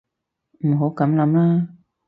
唔好噉諗啦